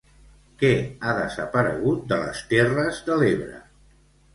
Què ha desaparegut de les Terres de l'Ebre?